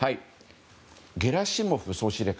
ゲラシモフ総司令官。